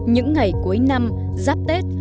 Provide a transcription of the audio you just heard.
những ngày cuối năm giáp tết